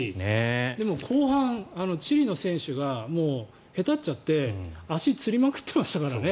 でも後半、チリの選手がへたっちゃって足、つりまくってましたからね。